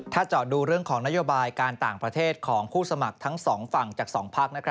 ถ้าเจาะดูเรื่องของนโยบายการต่างประเทศของผู้สมัครทั้งสองฝั่งจาก๒พัก